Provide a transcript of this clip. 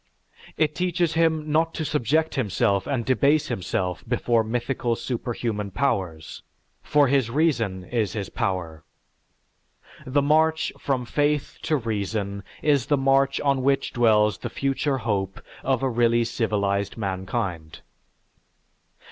It teaches him not to subject himself and debase himself before mythical superhuman powers, for his reason is his power. The march from faith to reason is the march on which dwells the future hope of a really civilized mankind.